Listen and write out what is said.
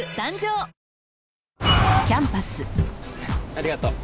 ありがとう。